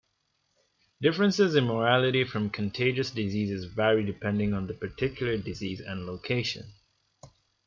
Differences in mortality from contagious diseases vary depending on the particular disease and location.